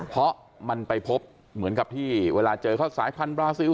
เพราะมันไปพบเหมือนกับที่เวลาเจอเขาสายพันธบราซิล